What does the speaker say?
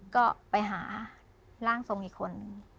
ก็ไปหาล่างทรงอีกคน